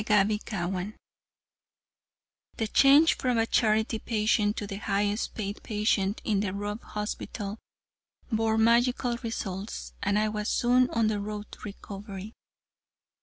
CHAPTER XXVI The change from a charity patient to the highest paid patient in the Ruff Hospital bore magical results, and I was soon on the road to recovery.